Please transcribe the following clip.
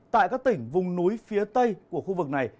tại các tỉnh vùng núi phía tây của khu vực này